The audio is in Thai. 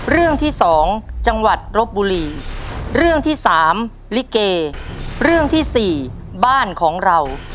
เรื่องลิเกครับ